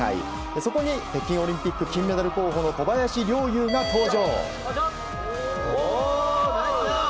そこに北京オリンピック金メダル候補の小林陵侑が登場。